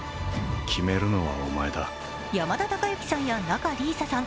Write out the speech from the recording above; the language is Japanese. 山田孝之さんや仲里依紗さん